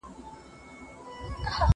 فزیک هم خپله لاره جلا کړه.